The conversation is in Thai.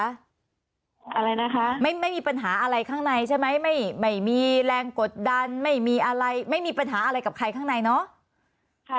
อะไรนะคะไม่มีปัญหาอะไรข้างในใช่ไหมไม่มีแรงกดดันไม่มีอะไรไม่มีปัญหาอะไรกับใครข้างในเนอะ